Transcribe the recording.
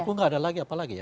aku enggak ada lagi apalagi ya